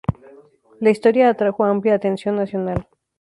La historia atrajo amplia atención nacional.